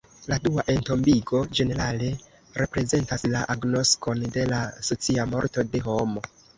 La dua entombigo, ĝenerale, reprezentas la agnoskon de la socia morto de homo.